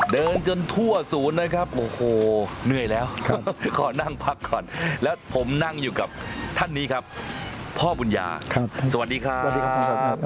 เดินจนทั่วศูนย์นะครับโอ้โหเหนื่อยแล้วขอนั่งพักก่อนแล้วผมนั่งอยู่กับท่านนี้ครับพ่อบุญญาสวัสดีครับสวัสดีครับ